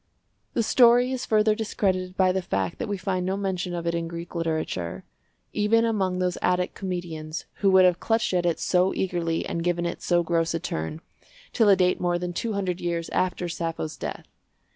The story is further discredited by the fact that we find no mention of it in Greek literature—even among those Attic comedians who would have clutched at it so eagerly and given it so gross a turn—till a date more than two hundred years after Sappho's death.